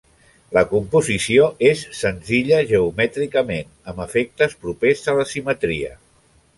La composició és senzilla geomètricament, amb efectes propers a la simetria.